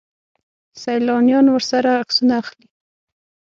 سیلانیان ورسره عکسونه اخلي.